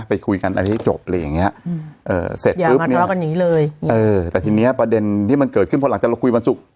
ไปคุยกันอะไรให้จบอะไรอย่างเงี้ยเสร็จปุ๊บแต่ทีนี้ประเด็นที่มันเกิดขึ้นพอหลังจากเราคุยวันศุกร์